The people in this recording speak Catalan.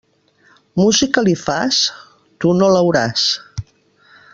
Música li fas? Tu no l'hauràs.